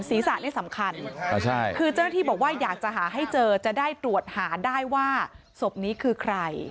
ศีรษะนี่สำคัญคือเจ้าหน้าที่บอกว่าอยากจะหาให้เจอจะได้ตรวจหาได้ว่าศพนี้คือใคร